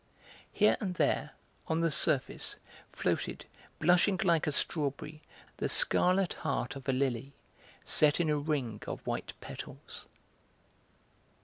Here and there, on the surface, floated, blushing like a strawberry, the scarlet heart of a lily set in a ring of white petals.